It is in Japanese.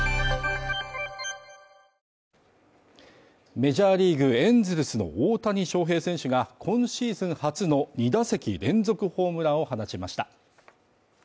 メジャーリーグエンゼルスの大谷翔平選手が今シーズン初の２打席連続ホームランを放ちました。